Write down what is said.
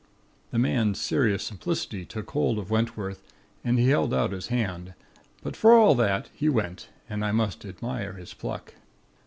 The man's serious simplicity took hold of Wentworth, and he held out his hand. But, for all that, he went; and I must admire his pluck.